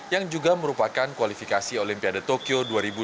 yang juga merupakan kualifikasi olimpiade tokyo dua ribu dua puluh